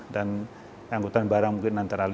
dan angkutan barang mungkin antara lima sepuluh persen